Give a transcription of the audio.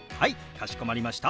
かしこまりました。